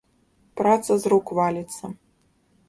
Праца з рук валіцца.